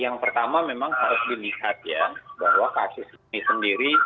yang pertama memang harus dilihat ya bahwa kasus ini sendiri